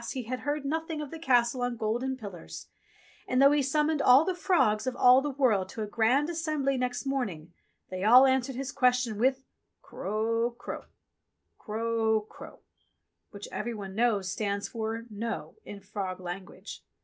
he had heard nothing of the Castle on golden pillars, and though he summoned all the frogs of all the world to a Grand Assembly next morning, they all an swered his question with :" Kro kro, Kro kro^^ which every one knows stand for "No" in frog language.